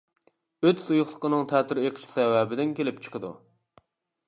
ئۆت سۇيۇقلۇقىنىڭ تەتۈر ئېقىشى سەۋەبىدىن كېلىپ چىقىدۇ.